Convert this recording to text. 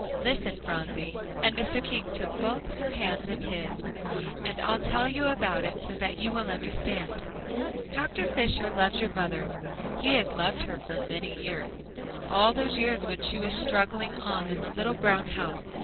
"Listen, Phronsie," and Mr. King took both her hands in his, "and I'll tell you about it so that you will understand. Dr. Fisher loves your mother; he has loved her for many years all those years when she was struggling on in the little brown house.